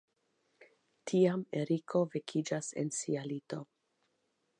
Tiam Eriko vekiĝas en sia lito.